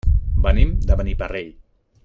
Venim de Beniparrell.